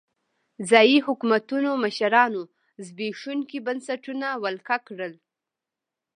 ځايي حکومتونو مشرانو زبېښونکي بنسټونه ولکه کړل.